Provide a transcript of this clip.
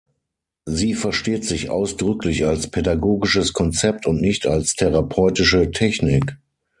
Sie versteht sich ausdrücklich als pädagogisches Konzept und nicht als therapeutische Technik.